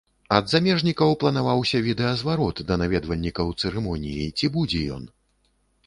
Ад замежнікаў планаваўся відэазварот да наведвальнікаў цырымоніі, ці будзе ён?